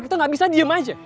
kita nggak bisa diem aja